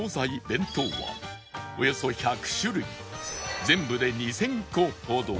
弁当はおよそ１００種類全部で２０００個ほど